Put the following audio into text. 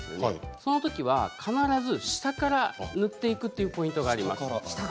そのときには必ず下から塗っていくというポイントがあります。